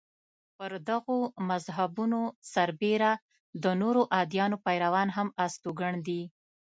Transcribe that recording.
پر دغو مذهبونو سربېره د نورو ادیانو پیروان هم استوګن دي.